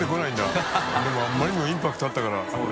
任あまりにもインパクトあったから